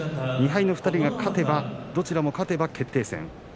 ２敗の２人が勝てばどちらも勝てば決定戦。